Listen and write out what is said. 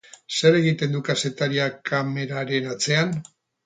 Zer egiten du kazetariak kameraren atzean?